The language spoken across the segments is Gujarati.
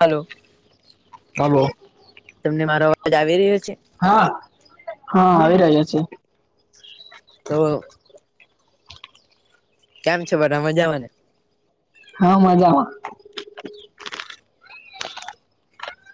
હલો હાલો તમને મારો અવાજ આવી રહ્યો છે? હા હ આવી રહ્યા છે. [unintelligible] કેમ છે બધા મજામાં ને હા મજામાં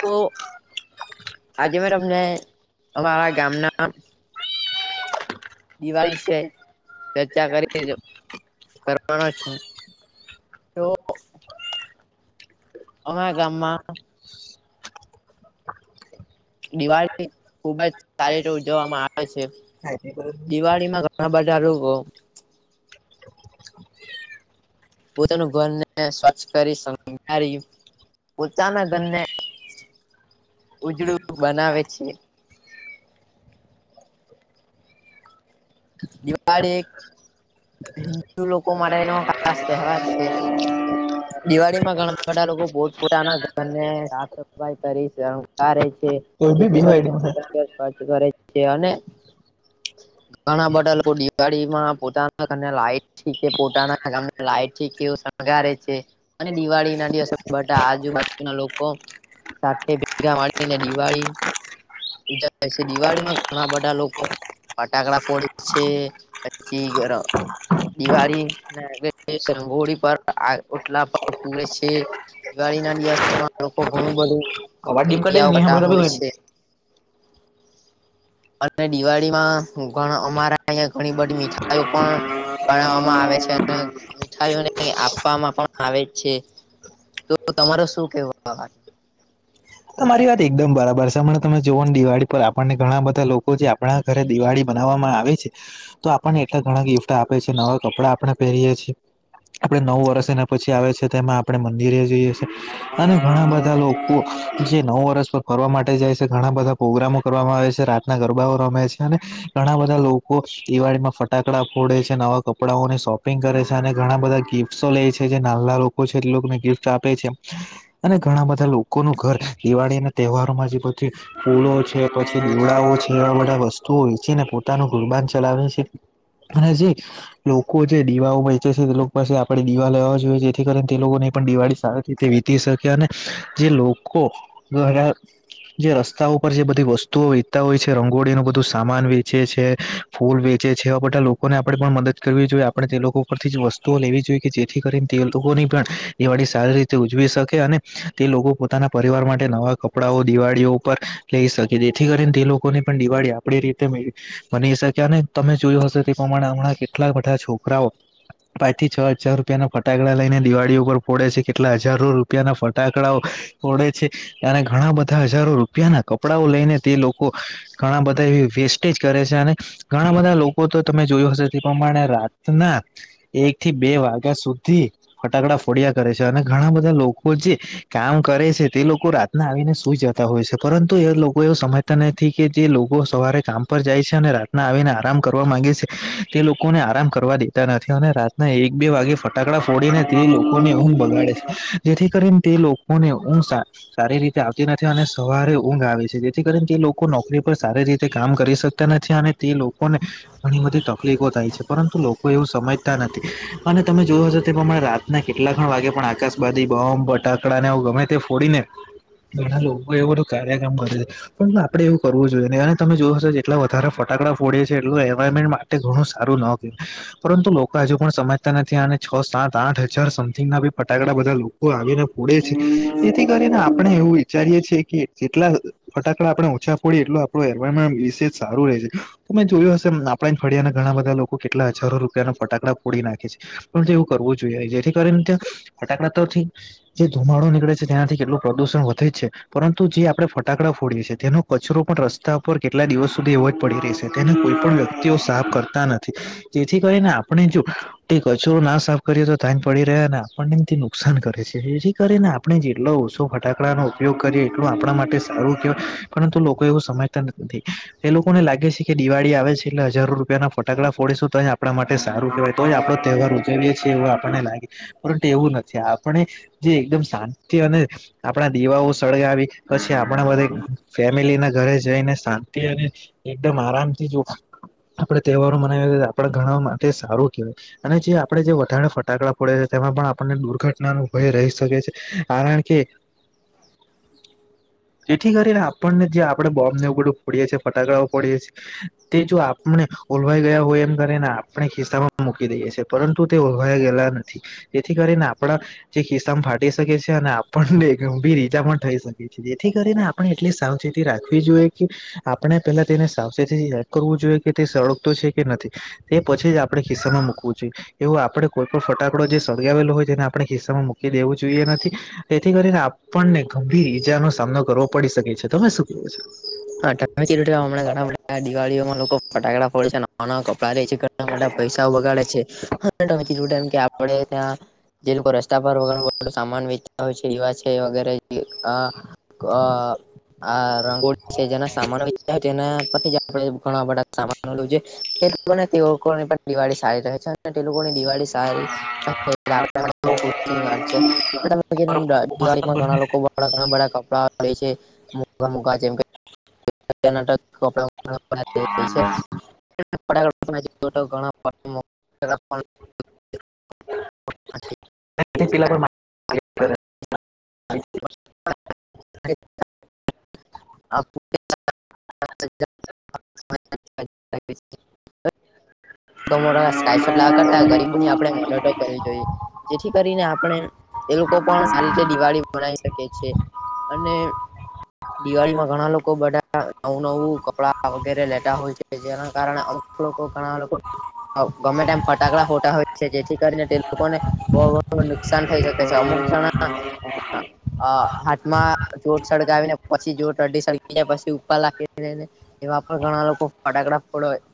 તો આજે મે તમને અમારાં ગામનાં દિવાળી વિશે ચર્ચા કરી કરવાનો છું. તો અમારા ગામમાં દિવાળી ખુબ જ સારી રીતે ઉજવવામાં આવે છે. [unintelligible] દિવાળીમાં ઘણા બધા લોકો પોતાનું ઘરને સ્વચ્છ કરી શણગારી પોતાના ઘરને ઉજળું બનાવે છે. દિવાળી હિન્દુ લોકો માટે એનો ખાસ તેવહાર છે. [inaudible] દિવાળીમાં ઘણા બધાં લોકો પોતપોતાના ઘરને સાફ સફાઈ કરી શણગારે છે. કોઈ બી જેથી કરીને દિવાળી માં પોતાનું ઘર સ્વરછ કરે છે અને ઘણા બધાં લોકો દિવાળીમાં પોતાના ઘરને લાઈટ ઠીકે પોતાના ગામને લાઈટ ઠી એવું કે શણગારે છે. અને દિવાળીના દિવસ બધાં આજુબાજુના લોકો સાથે ભેગા મળીને દિવાળી ઉજાવે છે દિવાળીમાં ઘણા બધાં લોકો ફટાકડા ફોડે છે પછી ર દિવાળીના આગલા દિવસે રંગોળી બાર આ ઓટલા પર પૂરે છે. દિવાળીના દિવસમાં લોકો ઘણું બધું અવાજ ડીમ કરી દે ને ક્રિયાઓ નહીં કરતા સાંભળે તો હોય કોઈ નહીં. છે. અને દિવાળીમાં હું પણ અમારા અહીયાં ઘણી બધી મીઠાઈઓ પણ બનાવવામાં આવે છે. મીઠાઈઓને આપવામાં પણ આવે જ છે, તો તમારો શું કેવું આ વાત? તમારી વાત એકદમ બરાબર છે, અમણે તમે જોઓને દિવાળી પર આપનને ઘણા બધાં લોકો જે આપણા ઘરે દિવાળી મનાવવામાં આવે છે. તો આપણને એટલા ઘણા ગિફ્ટ આપે છે, નવા કપડાં આપણે પહેરીએ છીએ. આપડે નવું વર્ષ એના પછી આવે છે, તેમાં આપણે મંદિરે જઈએ છએ. અને ઘણા બધા લોકો જે નવુ વર્ષ પર ફરવા માટે જાય છે ઘણાં બધાં પ્રગ્રામો કરવા મા આવે છે, રાતના ગરબાઓ રમે છે, અને ઘણા બધા લોકો દિવાળીમાં ફટ કડા ફોડે છે, નવા કપડાઓને શોપિંગ કરે છે, અને ઘણા બધા ગિફ્ટો લે છે. કે જે નાના લોકો છે, તેને ગિફ્ટ આપે છે, અને ઘણા બધા લોકોનું ઘર દિવાળી ના તહેવારો માં જે પછી ફૂલો છે પછી દીવડાઓ છે એવા બધા વસ્તુઓ વચીને પોતાનું ગુરબાન ચલાવે છે. અને જે લોકો જે દીવાઓ વેચે છે, તે લોક પાસેથી આપણે દીવા લેવા જોઈએ જેથી કરીને તે લોકોને પણ દિવાળી સરસ રીતે વીતી શકે, અને જે લોકો ઘણા જે રસ્તા ઉપર જે બધી વસ્તુઓ વેચતા હોય છે, રંગોળીનું બધું સામાન વેચે છે ફૂલ વેચે છે, એવા બધા લોકોને આપડે પણ મદદ કરવી જોઈએ, આપણેે તે લોકો પરથી જ વસ્તુઓ લેવી જોઈએ, કે જે થી કરીને, તે લોકોની પણ દિવાળી સારી રીતે ઉજવી શકે, અને તે લોકો પોતાના પરિવાર માટે નવા કપડાંઓ દિવાળીઓ ઉપર લઈ શકે, જેથી કરીને તે લોકોને પણ દિવાળી આપડી રીતે બની શક્યા, અને તમે જોયું હશે તે પ્રમાણે હમણાં કેટલા બધા છોકરાઓ પાચથી છ હજાર રૂપિયા ના ફટાકડા લઈને દી દિવાળીઓ ઉપ ફોડે છે, કેટલા હજારો રૂપિયા ના ફટાકડાઓ ફોડે છે, અને ઘણા બધા હજારો રૂપિયાના કપડાઓ લઈને, તે લોકો ઘણા બધા એવી વેસ્ટેજ કરે છે, અને ઘણા બધા લોકો તો તમે જોયું હશે તે પ્રમાણે રાતના એક થી બે વાગ્યા સુધી ફટાકડા ફોડયા કરે છે, અને ઘણા બધા લોકો જે કામ કરે છે, તે લોકો રાતના આવીને સુઈ જતા હોય છે, પરંતુ એ લોકો એવું સમજતા નથી કે જે લોકો સવારે કામ પર જાય છે, અને રાતના આવીને આરામ કરવા માંગે છે, તે લોકોને આરામ કરવા દેતા નથી. અને રા ત ના એક બે વાગે ફટાકડા ફોડીને, તે લોકોની ઊંઘ બગાડે છે, જેથી કરીને તે લો કોને ઊંઘ સા સારી રીતે આવતી નથી, અને સવારે ઊંઘ આવે છે, જેથી કરીને તે લોકો નોકરી પર સારી રીતે કામ કરી શકે તા નથી અને તે લોકોને ઘણી બધી તકલીફો થાય છે, પરંતુ લોકો એવું સમજતા નથી, અને તમે જોયો છો તે પ્રમાણે રાત ના કેટલા ઘણ વાગે પણ આકાશબદી બમ્બ બટાકડા ને ગમે તે ફોડીને ઘણા લોકો એ બધું કાર્ય કામ કરે છે, પરંતુ આપડે એવું કરવું જોઈએ નહીં, અને તમે જોયુ હસે કે એટલા ફટાકડા ફોડે છે, એટલું એન્વાયરમેન્ટ માટે ઘણું સારું ન હોય પરંતુ લોકો હજુ પણ સમજતા નથી, અને છ, સાત, આઠ હજાર સમથિંગ ના બી ફટાકડા બધા લોકો આવીને ફોડે છે, તેથી કરીને આપણે એવું વિચારીએ છીએ કે જેટલા ફટાકડા આપણે ઓછા ફો, એટલુ આપ એન્વાયમે વિશે સારું રહે છે. તમેં જોયું હશે આપણાજ ફળિયા ના ઘણા બધા લોકો કેટલા હજારો રૂપિયાના ફટાકડા ફોડી નાખે છે, પણ એવું કરવું જોઈએ, જેથી કરીને ત્યા ફટાકડાથી જે ધુમાડો નીકળે છે તેનાથી કેટલું પ્રદુષણ વધે છે. પરંતુ જે આપડે ફટાકડા ફોડીએ છીએ, તેનો કચરો પણ રસ્તા ઉપર કેટલા દિવસ સુધી એવવા જ પડી રહી છે. તેના કોઈ પણ વ્યક્તિઓ સાફ કરતા નથી જેથી કરીને આપણે જો કચરો ના સાફ કરીએ તો થાને પડી રહ્યા ને આપણને નુકસાન કરે છે. જેથી કરીને આપણે જેટલો ઓછો ફટાકડા નો ઉપયોગ કરીએ એટલું આપણા માટે સારું કહેવાય પરંતુ લોકો એવું સમાજ એ લોકોને લાગે છે કે દિવાળી આવે છે એટલે હજારો રૂપિયા ના ફટાકડા ફોડીશું તો આપણા માટે સારું કેહેવાય તોય આપડો તહેવાર ઉજવીએ છીએ એવું આપણને લાગે પરંતુ એવું નથી આપણે જેી એકદમ શાંતિ અને આપણા દીવાઓ સળગાવી પછી આપણા બધા ફેમિલી ના ઘરે જઈને શાંતિ અને એકદમ આરામથી જો આપડે તહેવારો મનાવી આપડે ઘણા માટે સારું કેહેવાય. અને જે આપણેે જે વધારણે ફટાકડા ફોડે છે તેમાં પણ આપણને દુર્ઘટનાનું ભવે રહી શકે છે કારણ કે [inaudible] જેથી કરીને આપણને જે આપણે બો્બને એવડું ફડીએ છીએ ફટાકડાઓ પોડીએ છીએ. તે જો આપણે ઓલવાઈ ગયા હોય, એમ કરીને આપણે ખિસ્સા માં મૂકી દઈએ છ છીએ. પરંતુ તે ઓળવાઈ ગયેલા નથી, જેથી કરીને આપણા જે ખિસ્સામાં ફાટી શકે છે અને આપણને ગંભીર ઈજા પણ થઈ શકે. જેથી કરીને આપણે એટલી સાવચેતી રાખવી જોઈએ, કે આપણે પેલા તેને સાવચેતીયા કરવું જોઈએ, કે તે સળગ તો છે કે નથી. એ પછી જ આપડણે ખિસ્સામાં મૂકવું જોઈએ, એવું આપડ કોઈ પણ ફટાકડો જે સળગાવેલો હોય, જેને આપણે હિસ્સામાં મૂકી દેવું જોઈએ નથી તેથી કરીને આપણને ગંભીર ઈજાનો સામે નો કરવો પડી શકે છે, તમે શું કે છો? હામ ઘણા બધા દિવાળી માં લોકો ફટાકડા ફોડે છે. નવાકપડાં લેછે, ઘણા બધા પૈસાઓ બગાડે છે. [unintelligible] આપડેત્યાં જે લોકો રસ્તા પર વગરું સામાન વેચતા હોય છે, વા છે, વગેરે ક [inaudible] આ રંગોલી- જેના સામાનોના પછી જ આપણે ઘણા બધા સામાનો લોકોને તે લોકોની પણ દિવાળી સારી રહે અને તે લોકોની દિવાળી સારી [unintelligible] દિવાળી માં ઘણા લોકો ઘણા બધા કપડાલેછે. [inaudible] મોંઘા ગાજેમ [unintelligible] [unintelligible] [unintelligible] પણ [unintelligible] [unintelligible] [inaudible] [unintelligible] આટલો મોટો સ્કાયસોત લાવા કરતા ગરીબો ની આપડે મો કરી જેથી કરીને આપણે એ લોકો પણ સારી રીતે દિવાળી મનાવી શકીએ છીએ. અને દિવાળી માં ઘણા લોકો બધા નવું કપડા વગેરે લેતા હોય. કે જેના કારણે અમુક લોકો ઘણા લોકો ગમે ટાઈમ ફટાકડા ફોટા હોય છે, જેથી કરીને તે લોકોને બહુ નુકસાન થઈ જ [unintelligible] અમુક જણા અ હાથમાં જોત સળગાવીને પછી જોત અડઢી સળગી જાય, પછી ઉપર લખીને એવા પણ ઘણા લોકો ફટાકડા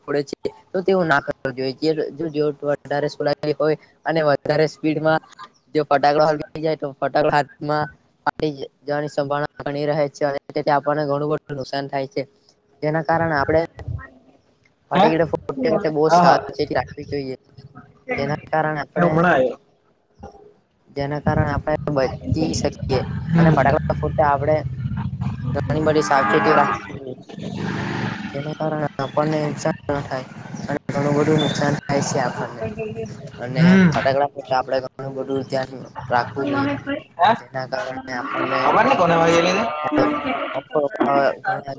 ફોડે છે તો તેઓ ના જો વધારેલા હોય અને વધારે સ્પીડમાં જો ફટાકડો હરખી જાય તો ફટાકડા હાથમાં પાણી જવાની સંભાવના ગણી રહે અને તેથી આપણને ઘણું બધું નુકસાન થાય છે. જેના કારણે આપડે પર હમણાં ફટીડ બહું સારી ચેતી રાખવી જોઈએ જેના કારણે આવ્યો આપણે જેના કારણે આપણે બચી શકીએ અને હમ ફટાક ફ આપણેે ઘણી બધી સાવચેતી રાખવી જોઈએ. તેના કારણે આપડે ઇનસાઇડ થવાનું થાય અને ઘણું બધું નુકસાન થાય છે આપણને અને હમ ફટાકડા આપડે બધું ધ્યાન રાખવું જોઈએ જેના કારણે અને આપને [unintelligible] હ ઘણા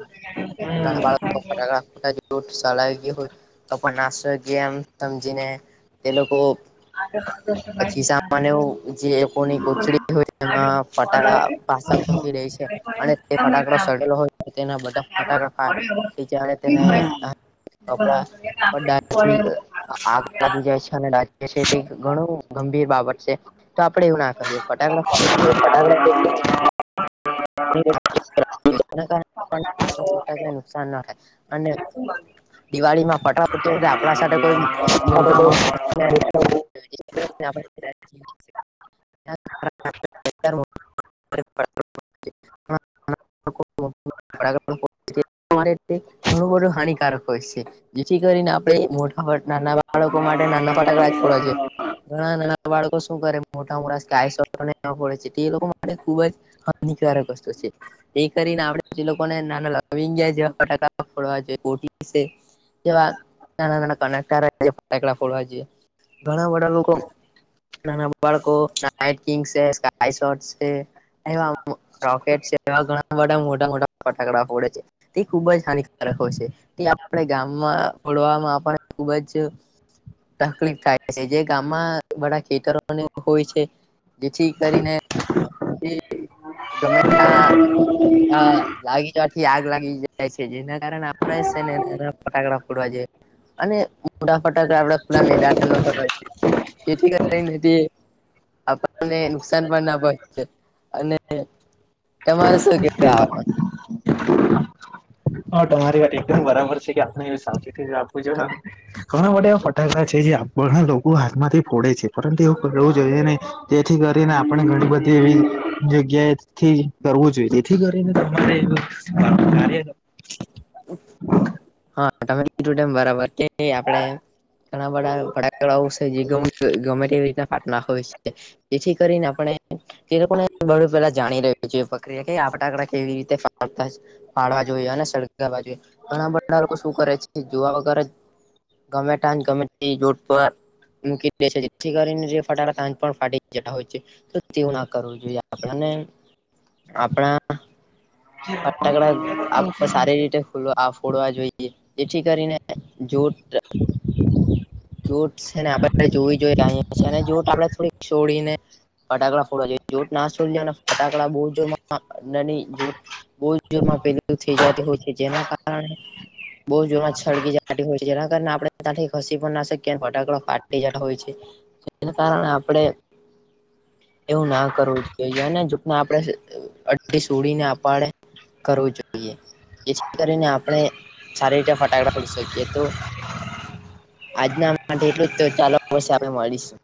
નાના બાળકો ફટાકડાટ [unintelligible] ગયા હોય. તો પણ નાસો કે એમ સમજીને એ લોકો ખિસામાને જે કોની કોચડી હોય, તેમાં ફટાકા પાસા મૂકી રે છે. અને તે ફટાકડો સળગેલો હોય તેના બધા ફટાકડા [unintelligible] તેને કપડા [unintelligible] લાગી જાય છે અને દાજે છે તે ઘણું ગંભીર બાબત છે તો આપડે એવું ના કરવું જોઈએ ફટાકડા [unintelligible] [unintelligible] નુકસાન ના થાય અને દિવાળી માં ફટાફટી આપણા સાથે કોઈ [unintelligible] [unintelligible] [unintelligible] અમારે તે ઘનુ બધું હાનિકારક હોય છે. જેથી કરીને આપડે મોટા નાના બાળકો માટે નાના ફટાક ફોડવા જોઈએ. ઘણા નાના બાળકો શું કરે મોટા મોટા કે [unintelligible] ફોડે છે એ લોકો માટે ખુબ જ ની [unintelligible] તો છે એ કરીને આપડે જે લોકોને નાના લવિંગિયાં જેવા ફટાકા ફોડવા જોઈએ કોઠી સે જેવા નાના નાના [unintelligible] ફટાકડા ફોડવા જોઈએ ઘણા વડા લોકો નાના બાળકો નાઇટ કિંગ છે સ્કાય શોટ છે એવા રોકેટ છે એવા ઘણા વડા મોટા મોટા ફટાકડા ફોડે છે. તે ખૂબ જ હાનિકારક હોય છે તે આપણે ગામમાં ફોડવા માં આપડે ખુબ જ તકલીફ થાય છે જે ગામમાં બડા ખેતરોને એવું હોય છે. જેથી કરીને તે [inaudible] હા [unintelligible] હા લાગી જવાથી આગ લાગી જાય સે જેના કારણે આપણે સેને રફ ફટાકડા ફોડવા જોઈએ. અને મોટા ફટાકડા આપડા ખુલ્લા મેદાનમાં ફોડવા જોઈએ. જેથી કરી ને આપણને નુકસાન પણ ના પોચે અને તમારે શું ગિફ્ટ આવે કે હા તમારી વાત એકદમ બરાબર છે કે આપણે એવી સાવચેતી રાખવી જોવે ઘણા બધા એવા ફટાકડા છે જે ઘણા લોકો હાથમાંથી ફોડે છે પરંતુ એવું કરવું જોઈએ નઈ જેથી કરીને આપણે ઘણી બધી એવી જગ્યાએથી કરવું જોઈએ તેથી કરીને તમારે [inaudible] હા તમે કીધું તેમ બરાબર કે આપણેે, ઘણા બધા ફટાકડા ઓ છે જે ગમે એવી રીતના [unintelligible] છે જેથી કરીને આપણે, એ લોકોને બધું પેલા જાણી રહ્યું છે એ પ્રક્રિયા કે આ ફટાકડા કેવી રીતે ફોડતા છે, પાડવા જોઈએ અને સળગાવવા જોઈએ ઘણા બધા લોકો શું કરે છે જોવા વગરજ ગમે ટાં ગમે ટી [unintelligible] પર મૂકી દે છે જેથી કરીને જે ફટાકડા તાંજ પણ ફાટી જતા હોય છે. તેવું ના કરવું જોઈએ આપને આપણા, ફટાકડા આપણે સારી રીતે ખુલ આમ ફોડવા જોઈએ [inaudible] જેથી કરીને જોત, જોત છે ને આપડણે જોવી જોઈએ અયા છે અને જોત આપણે થોડી છોડીને ફટાકડા ફોડવા જોઈએ જોત ના છોડીય અને ફટાકડા બહુ જોર અંદરની જોત બહુ જ જોરમાં પેલું થઈ જતી હોય છે જેના કારણે બહુ જોત સળગી જતી હોય છે જેના કારણે આપણે ત્યાંથી ખસી પણ ના શકીએ ફટાકડો ફાટી જતા છે. જેને કારણે આપડે, એવું ના કરવું જોઈએ અને જેને આપડણે અડડી સૂડીને આપાડે કરવુ જોઈએ, જેથી કરીને આપણે સારી રીતે ફટાકડા ફડી શકીએ તો [inaudible] આજના માટે એટલું જ તો ચાલોશે આપણે મળીશું.